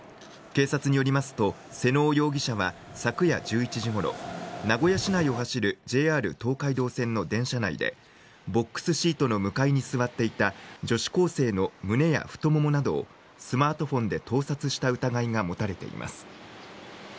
警察によりますと、妹尾容疑者は昨夜１１時ごろ、名古屋市内を走るＪＲ東海道線の電車内で、ボックスシートの向かいに座っていた女子高生の胸や太ももなどをスマートフォンで盗撮した疑いが持たれています。